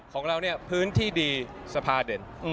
ของเราพื้นที่ดีสภาเด่น